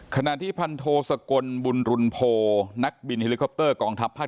ขณะที่พันโทสกลบุญรุนโพนักบินเฮลิคอปเตอร์กองทัพภาค